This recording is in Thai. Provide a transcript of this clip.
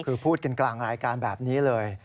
คือพูดกันกลางรายการแบบนี้เลย